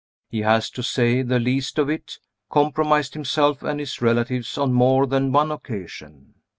He has, to say the least of it, compromised himself and his relatives on more than one occasion.